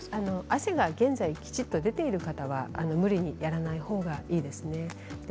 汗が現在きちんと出てる方は無理にやらないほうがいいですね。